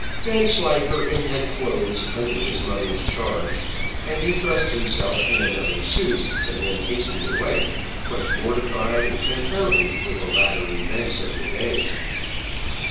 Vanslyperken had clothes under his mother's charge, and he dressed himself in another suit, and then hastened away, much mortified and confounded with the latter events of the day.